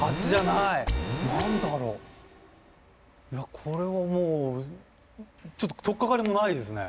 いやこれはもうちょっと取っかかりもないですね。